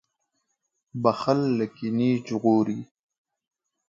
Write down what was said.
• بښل له کینې ژغوري.